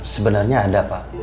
sebenarnya ada pak